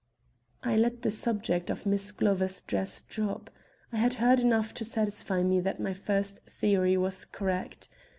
I let the subject of Miss Glover's dress drop. I had heard enough to satisfy me that my first theory was correct.